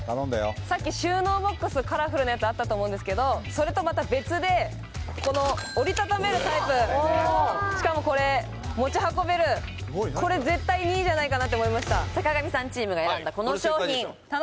さっき収納ボックス頼んだよカラフルなやつあったと思うんですけどそれとまた別でこの折りたためるタイプ・それねしかもこれこれ絶対２位じゃないかなって思いました坂上さんチームが選んだこの商品はいこれ正解でしょ